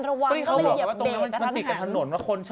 แต่กลับกันตีกับถนน